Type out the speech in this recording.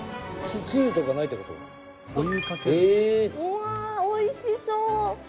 うわ美味しそう！